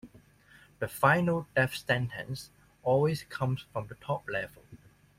The final death sentence always comes from the top level.